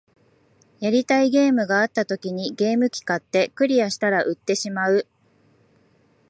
やりたいゲームがあった時にゲーム機買って、クリアしたら売ってしまう